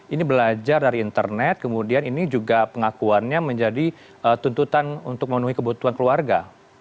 ini belajar dari internet kemudian ini juga pengakuannya menjadi tuntutan untuk memenuhi kebutuhan keluarga